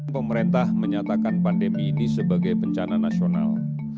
pemerintah menyatakan pandemi ini sebagai bencana nasional